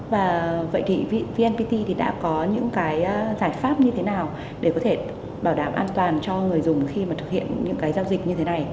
và vậy thì vnpt thì đã có những cái giải pháp như thế nào để có thể bảo đảm an toàn cho người dùng khi mà thực hiện những cái giao dịch như thế này